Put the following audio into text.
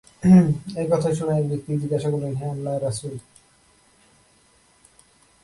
এ কথা শুনে এক ব্যক্তি জিজ্ঞাসা করলেন, হে আল্লাহর রাসূল!